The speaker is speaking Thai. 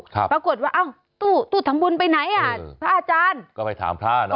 ปรากฏว่าอ้าวตู้ตู้ทำบุญไปไหนอ่ะพระอาจารย์ก็ไปถามพระเนอ